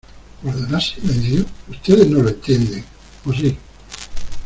¿ Guardarás silencio? ¿ ustedes no lo entienden, o si ?